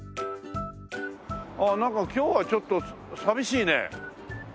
ああなんか今日はちょっと寂しいね駅前が。